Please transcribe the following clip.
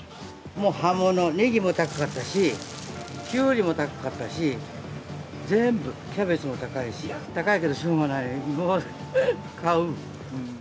もう葉物、ねぎも高かったし、きゅうりも高かったし、ぜーんぶ、キャベツも高いし、高いけどしょうがない、買う。